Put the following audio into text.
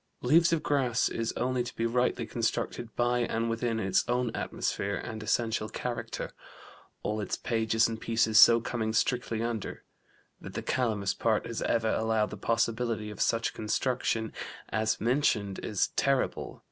Leaves of Grass is only to be rightly construed by and within its own atmosphere and essential character all its pages and pieces so coming strictly under. That the 'Calamus' part has ever allowed the possibility of such construction as mentioned is terrible.